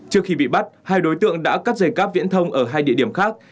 trước khi bị bắt hai đối tượng đã cắt dây cáp viễn thông ở hai địa điểm khác